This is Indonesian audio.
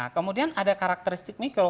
kemudian ada karakteristik mikro